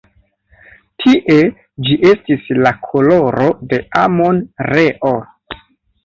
Tie ĝi estis la koloro de Amon-Reo.